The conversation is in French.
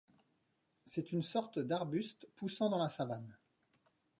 C'est une sorte d'arbuste poussant dans la savane.